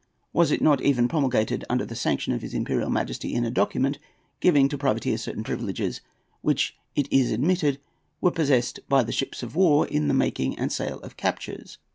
Was it not even promulgated under the sanction of his Imperial Majesty in a document giving to privateers certain privileges which it is admitted were possessed by the ships of war in the making and sale of captures?